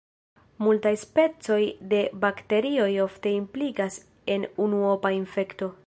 Multaj specoj de bakterioj ofte implikas en unuopa infekto.